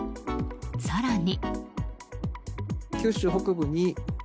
更に。